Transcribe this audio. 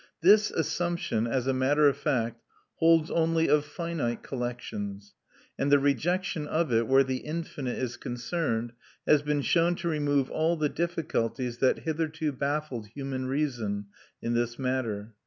This assumption, as a matter of fact, holds only of finite collections; and the rejection of it, where the infinite is concerned, has been shown to remove all the difficulties that hitherto baffled human reason in this matter."